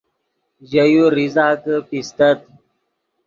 ژے یو ریزہ کہ پیستت